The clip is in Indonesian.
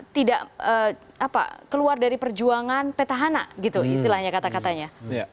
tidak keluar dari perjuangan petahana gitu istilahnya kata katanya